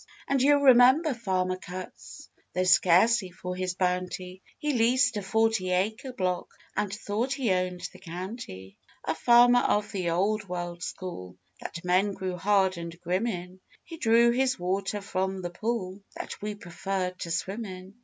And you'll remember farmer Kutz Though scarcely for his bounty He leased a forty acre block, And thought he owned the county; A farmer of the old world school, That men grew hard and grim in, He drew his water from the pool That we preferred to swim in.